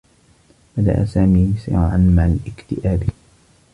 بدأ سامي صراعا مع الاكتئاب.